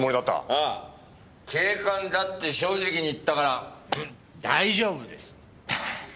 ああ警官だって正直に言ったからうん大丈夫です。